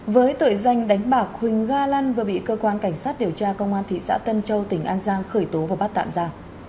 với tội danh đánh bạc huỳnh ga lăn vừa bị cơ quan cảnh sát điều tra công an thị xã tân châu tỉnh an giang khởi tố và bắt tạm ra